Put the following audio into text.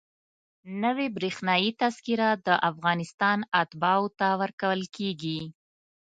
نوې برېښنایي تذکره د افغانستان اتباعو ته ورکول کېږي.